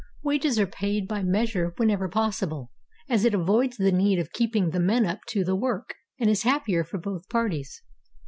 Wages are paid by measure whenever possible, as it avoids the need of keeping the men up to the work, and is happier for both parties.